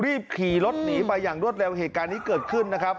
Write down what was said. รีบขี่รถหนีไปอย่างรวดเร็วเหตุการณ์นี้เกิดขึ้นนะครับ